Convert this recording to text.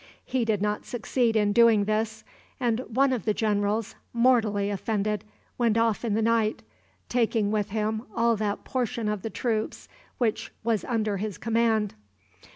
He did not succeed in doing this; and one of the generals, mortally offended, went off in the night, taking with him all that portion of the troops which was under his command.